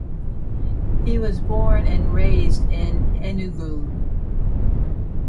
He was born and raised in Enugu.